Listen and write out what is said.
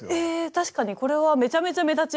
確かにこれはめちゃめちゃ目立ちますね。